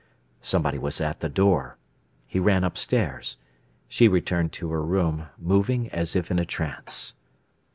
Somebody was at the door. He ran upstairs; she returned to her room, moving as if in a trance.